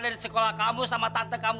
dari sekolah kamu sama tante kamu